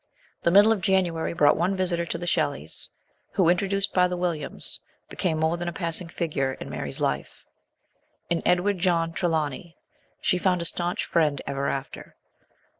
The middle of January brought one visitor to the Shelleys, who, introduced by the Williams, became more than a passing figure in Mary's life. In Edward John Trelawny she found a staunch friend ever after.